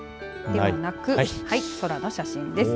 ではなく、空の写真です。